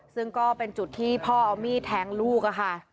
ซึ่งก็เป็นจุดที่พ่อเอามีดแทงลูกค่ะ